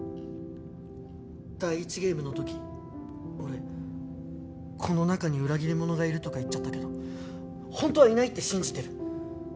第１ゲームの時俺この中に裏切り者がいるとか言っちゃったけど本当はいないって信じてる。